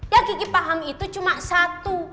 yang gigi paham itu cuma satu